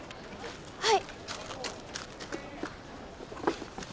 はい。